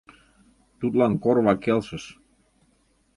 Тудлан корва келшыш.